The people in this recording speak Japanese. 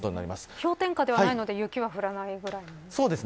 氷点下ではないので雪は降らないぐらいの寒さですね。